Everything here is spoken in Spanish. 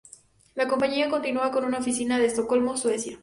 La compañía continúa con una oficina en Estocolmo, Suecia.